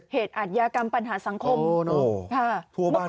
เหตุอัดยากรรมปัญหาสังคม